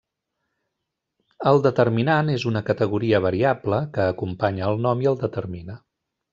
El determinant és una categoria variable que acompanya el nom i el determina.